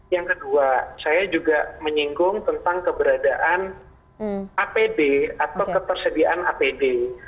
yang kedua saya juga menyinggung tentang keberadaan apb atau kepersediaan apb